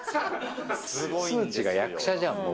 数値が役者じゃん、もう。